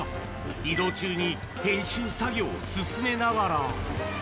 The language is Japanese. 移動中に編集作業を進めながら。